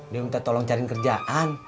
dia minta tolong cariin kerjaan